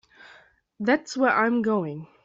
That's where I'm going.